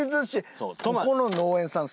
ここの農園さん